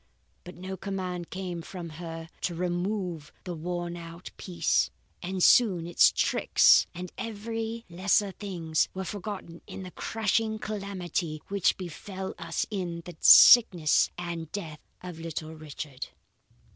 "But no command came from her to remove the worn out piece, and soon its tricks, and every lesser thing, were forgotten in the crushing calamity which befell us in the sickness and death of little Richard.